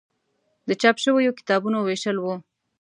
د چاپ شویو کتابونو ویشل و.